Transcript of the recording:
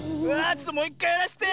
ちょっともういっかいやらせて。